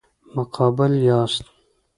مقابل یاست.